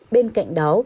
bên cạnh đó